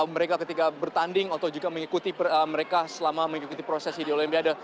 mereka ketika bertanding atau juga mengikuti mereka selama mengikuti prosesi di olimpiade